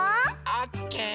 オッケー！